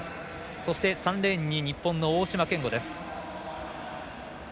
そして３レーンに日本の大島健吾。